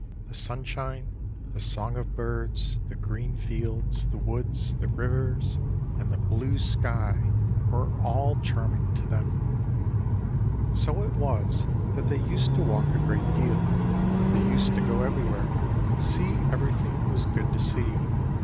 The sunshine, the song of birds, the green fields, the woods, the rivers, and the blue sky were all charming to them. So it was that they used to walk a great deal. They used to go everywhere and see everything that was good to see.